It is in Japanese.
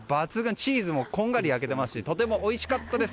チーズもこんがり焼けていますしとてもおいしかったです。